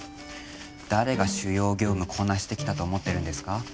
誰が主要業務こなしてきたと思ってるんですか？